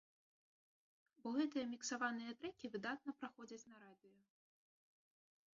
Бо гэтыя міксаваныя трэкі выдатна праходзяць на радыё.